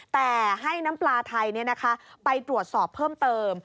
แต่ให้น้ำปลาไทยไปตรวจสอบเพิ่มเติม